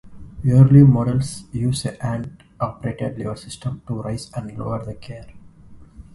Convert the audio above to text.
Early models use a hand-operated lever system to raise and lower the gear.